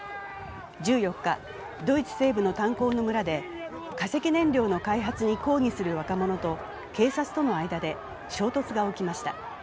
１４日、ドイツ西部の炭鉱の村で化石燃料の開発に抗議する若者と警察との間で衝突が起きました。